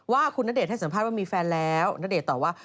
ว่าคุณณเดชนให้สัมภาษณ์ว่ามีแฟนแล้วณเดชน์ตอบว่า